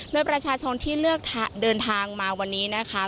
โดยประชาชนที่เลือกเดินทางมาวันนี้นะคะ